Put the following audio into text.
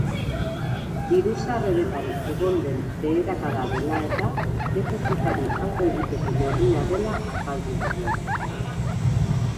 Diru-sarreretan egon den beherakada dela-eta, defizitari aurre egiteko neurria dela azaldu zuen.